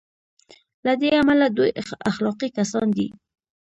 له دې امله دوی اخلاقي کسان دي.